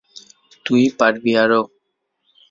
তুই পারবি আরো।